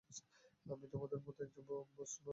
আমি তোমার মতই একজন ভোজনরসিক।